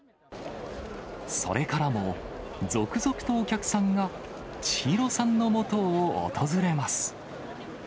それからも、続々とお客さんが、千尋さんのもとを訪れます。